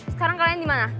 sekarang kalian dimana